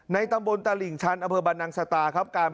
ในตำบลตลิ่งชั้นอบภบนังสตาค่ะ